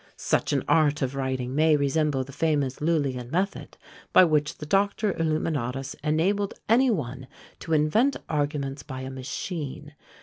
Such an art of writing may resemble the famous Lullian method, by which the doctor illuminatus enabled any one to invent arguments by a machine!